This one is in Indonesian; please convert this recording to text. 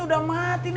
aku tuh cuman bercanda